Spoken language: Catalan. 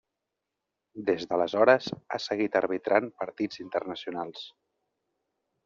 Des d'aleshores, ha seguit arbitrant partits internacionals.